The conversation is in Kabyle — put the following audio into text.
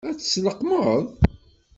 Ad t-tleqqmeḍ?